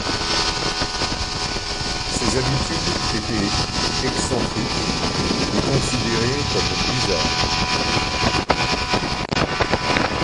Ses habitudes étaient excentriques et considérées comme bizarres.